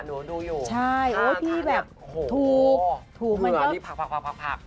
ดูดูอยู่ใช่โอ้พี่แบบโหถูกถูกมันเยอะเหนือพักพัก